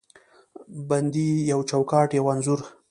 بندې یو چوکاټ، یوه انځور